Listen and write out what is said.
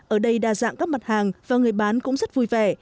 ở đây đa dạng các mặt hàng và người bán cũng rất vui vẻ